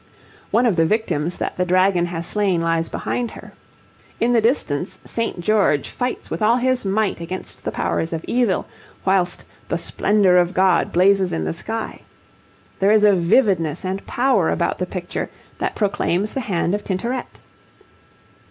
One of the victims that the dragon has slain lies behind her. In the distance St. George fights with all his might against the powers of evil, whilst 'the splendour of God' blazes in the sky. There is a vividness and power about the picture that proclaims the hand of Tintoret.